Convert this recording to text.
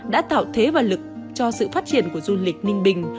đã tạo thế và lực cho sự phát triển của du lịch ninh bình